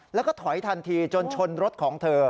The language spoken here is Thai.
แล้วก็ถอยทันทีจนชนรถของเธอ